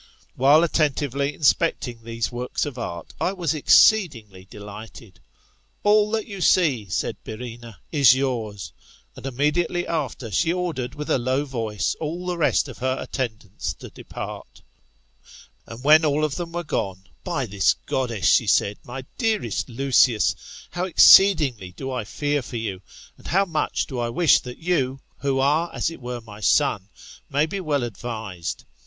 While attentively inspecting these works of art, I was exceedingly delighted; All that you see, said Byrrhsena, is 26 tM ItBTAltORPHOSIS, Ot yourt ; and immediately after, she ordered with a low voice all the rest of her attendants to depart And when all of thera were gone, By this goddess^ she said, my dearest Lucius, how exceedingly do I fear for you, and how much do I wish that you, who are as it were my son, m«ny be well advised